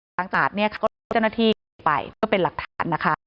หลังจากนี้ก็ให้เจ้าหน้าที่ไปก็เป็นหลักฐานนะคะ